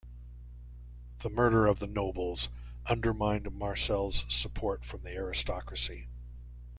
The murder of the nobles undermined Marcel's support from the aristocracy.